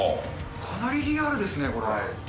かなりリアルですね、これ。